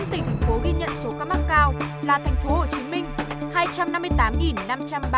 năm tỉnh thành phố ghi nhận số ca mắc cao là